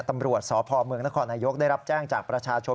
ตำรวจสพเมืองนครนายกได้รับแจ้งจากประชาชน